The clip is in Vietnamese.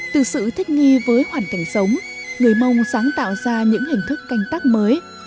từ sự thích nghi với hoàn cảnh sống người mông sáng tạo ra những hình thức canh tác mới